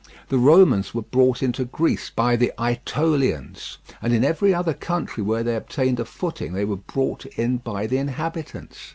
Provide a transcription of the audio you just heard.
The Romans were brought into Greece by the Ætolians; and in every other country where they obtained a footing they were brought in by the inhabitants.